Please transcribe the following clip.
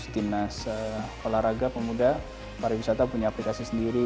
timnas olahraga pemuda pariwisata punya aplikasi sendiri